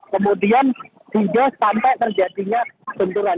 kemudian hingga sampai terjadinya tunturan